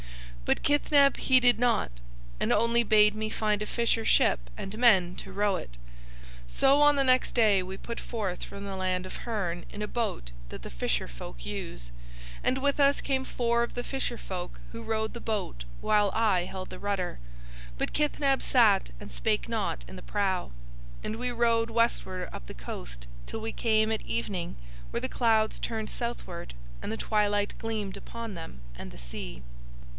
"But Kithneb heeded not, and only bade me find a fisher ship and men to row it. So on the next day we put forth from the land of Hurn in a boat that the fisher folk use. And with us came four of the fisher folk who rowed the boat while I held the rudder, but Kithneb sat and spake not in the prow. And we rowed westward up the coast till we came at evening where the cliffs turned southward and the twilight gleamed upon them and the sea.